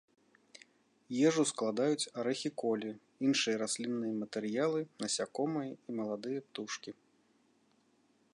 Ежу складаюць арэхі колі, іншыя раслінныя матэрыялы, насякомыя і маладыя птушкі.